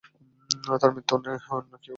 তার মৃত্যু অন্য কেউ ঘটিয়েছে।